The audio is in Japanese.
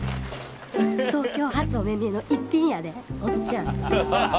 東京初お目見えの逸品やでおっちゃん。